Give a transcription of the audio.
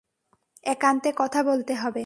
একান্তে কথা বলতে হবে।